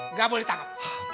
enggak boleh ditangkap